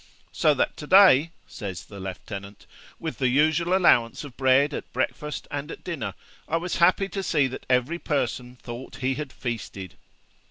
_' 'so that to day,' says the lieutenant, 'with the usual allowance of bread at breakfast and at dinner, I was happy to see that every person thought he had feasted.'